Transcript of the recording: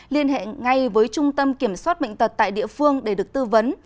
liên hệ ngay với trung tâm kiểm soát bệnh tật tại địa phương để được tư vấn